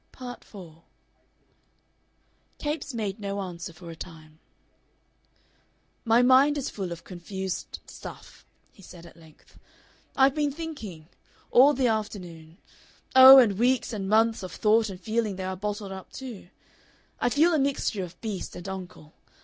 Part 4 Capes made no answer for a time. "My mind is full of confused stuff," he said at length. "I've been thinking all the afternoon. Oh, and weeks and months of thought and feeling there are bottled up too.... I feel a mixture of beast and uncle.